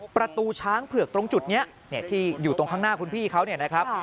ประตูช้างเผือกตรงจุดนี้ที่อยู่ตรงข้างหน้าคุณพี่เขาเนี่ยนะครับ